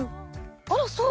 あらそう。